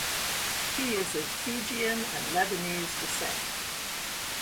He is of Fijian and Lebanese descent.